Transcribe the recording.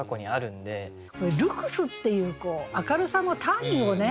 「ルクス」っていう明るさの単位をね